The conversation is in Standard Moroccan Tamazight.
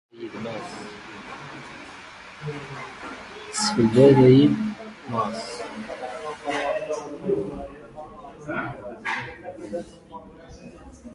ⵙⵙⴼⵍⴷⴰⵜ ⴰ ⵉⴷ ⵎⴰⵙⵙ.